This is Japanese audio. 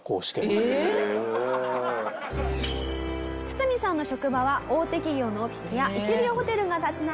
ツツミさんの職場は大手企業のオフィスや一流ホテルが立ち並ぶ